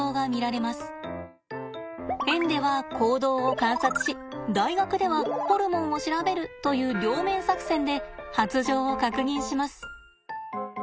園では行動を観察し大学ではホルモンを調べるという両面作戦で発情を確認します。